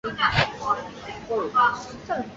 与文本相关的其他信息进行标识。